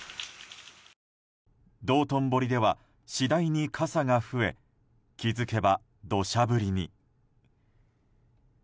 道頓堀では次第に傘が増え気付けば、土砂降りに。